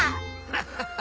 ハハハ